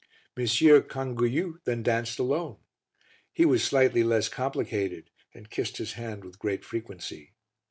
Monsieur Canguiu then danced alone; he was slightly less complicated, and kissed his hand with great frequency.